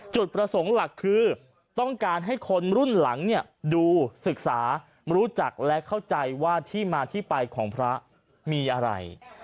จุดประสงค์หลักคือต้องการให้คนรุ่นหลังดูศึกษารู้จักและเข้าใจว่าที่มาที่ไปของพระมีอะไร